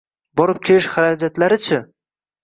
Borib-kelish xarajatlari-chi